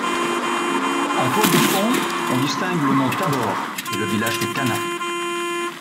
En toile de fond, on distingue le Mont Thabor et le village de Cana.